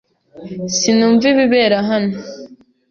Sinumva ibibera hano.